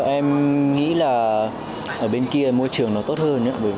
em nghĩ là ở bên kia môi trường nó tốt hơn